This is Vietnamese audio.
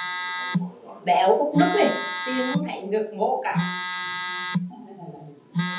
Béo úc núc, tìm không thấy ngực